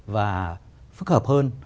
và phức hợp hơn